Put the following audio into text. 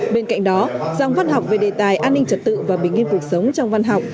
bên cạnh đó dòng văn học về đề tài an ninh trật tự và bình yên cuộc sống trong văn học